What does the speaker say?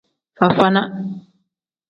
Fafana.